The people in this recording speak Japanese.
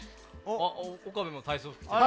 岡部も体操服着てる。